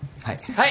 はい。